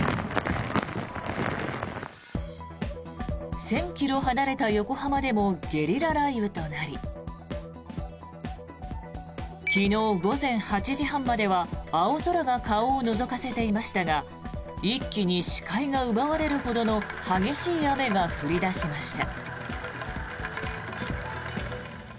１０００ｋｍ離れた横浜でもゲリラ雷雨となり昨日午前８時半までは青空が顔をのぞかせていましたが一気に視界が奪われるほどの激しい雨が降り出しました。